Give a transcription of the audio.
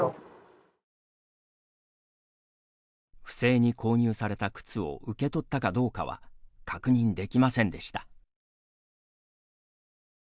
不正に購入された靴を受け取ったかどうかは確認できませんでした。